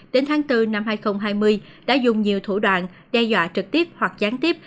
đến tháng bốn năm hai nghìn hai mươi đã dùng nhiều thủ đoạn đe dọa trực tiếp hoặc gián tiếp